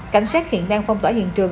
cảnh sát hiện đang phong tỏa hiện trường